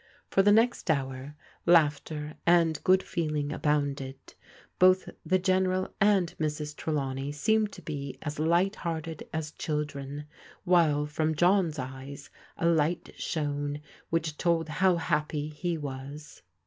For the next hour, laughter and good feeling abounded. Both the General and Mrs. Trelawney seemed to be as light hearted as children, while from John's eyes a light shone which told how happy he was.